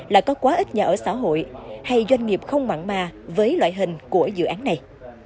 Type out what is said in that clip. lại có quá ít nhà ở xã hội hay doanh nghiệp không mặn mà với loại hình của dự án này